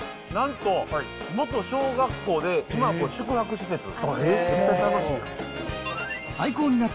なんと、元小学校で、今は宿泊施設。